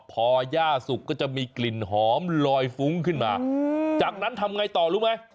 พอย่าสุกก็จะมีกลิ่นหอมลอยฟุ้งขึ้นมาจากนั้นทำไงต่อรู้ไหม